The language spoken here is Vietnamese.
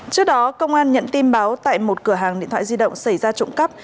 trước đó công an nhận tin báo tại một cửa hàng điện thoại di động xảy ra trộm cắp